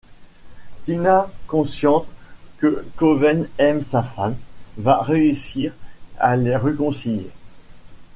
Tina, consciente que Koven aime sa femme, va réussir à les reconcilier.